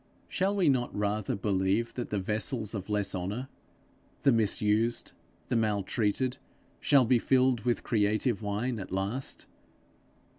Shall we not rather believe that the vessels of less honour, the misused, the maltreated, shall be filled full with creative wine at last?